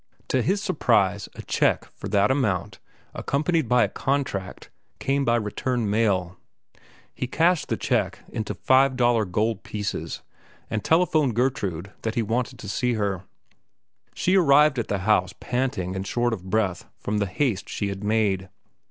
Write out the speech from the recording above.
To his surprise a check for that amount, accompanied by a contract, came by return mail. He cashed the check into five dollar gold pieces and telephoned Gertrude that he wanted to see her. She arrived at the house panting and short of breath from the haste she had made.